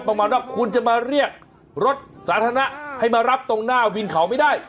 ประมาณว่าคุณจะมาเรียกรถสาธารณะให้มารับตรงหน้าวินเขาไม่ได้